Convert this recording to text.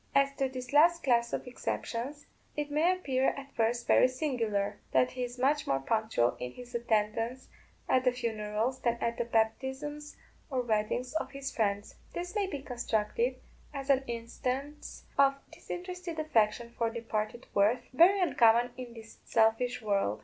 As to this last class of exceptions, it may appear at first very singular, that he is much more punctual in his attendance at the funerals than at the baptisms or weddings of his friends. This may be construed as an instance of disinterested affection for departed worth, very uncommon in this selfish world.